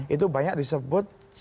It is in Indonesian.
itu banyak disebut